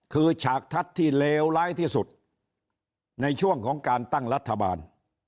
คือฉากทัศน์ที่เลวร้ายที่สุดในช่วงของการตั้งรัฐบาล